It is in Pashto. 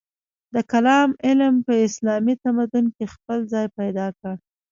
د کلام علم په اسلامي تمدن کې خپل ځای پیدا کړ.